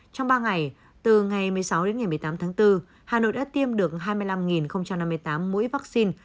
trong ba ngày từ ngày một mươi sáu đến ngày một mươi tám tháng bốn hà nội đã tiêm được hai mươi năm năm mươi tám mũi vaccine